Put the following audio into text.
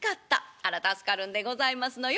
あら助かるんでございますのよ。